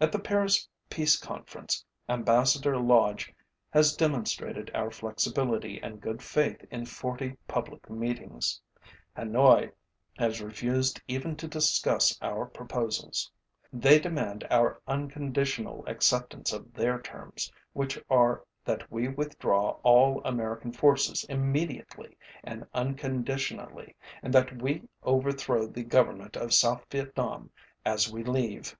At the Paris peace conference Ambassador Lodge has demonstrated our flexibility and good faith in 40 public meetings. Hanoi has refused even to discuss our proposals. They demand our unconditional acceptance of their terms which are that we withdraw all American forces immediately and unconditionally and that we overthrow the government of South Vietnam as we leave.